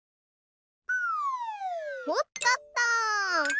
おっとっと！